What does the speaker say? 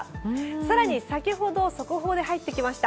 更に先ほど速報で入ってきました